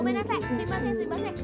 すいませんすいません。